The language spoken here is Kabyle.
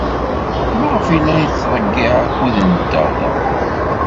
Maɣef ay la nettḍeyyiɛ akud-nteɣ da?